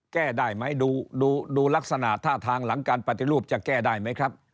แก้ได้ไหมดูลักษณะท่าทางหลังการปฏิรูปจะแก้ได้ไหมครับ